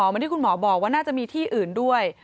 เหมือนที่คุณหมอบอกว่าน่าจะมีที่อื่นด้วย